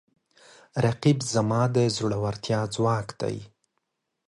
رقیب زما د زړورتیا ځواک دی